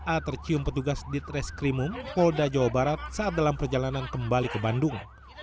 a tercium petugas di treskrimum polda jawa barat saat dalam perjalanan kembali ke bandung